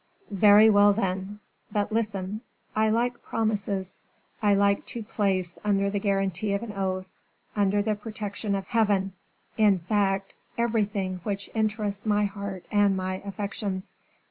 "Very well, then! but listen. I like promises, I like to place under the guarantee of an oath, under the protection of Heaven, in fact, everything which interests my heart and my affections.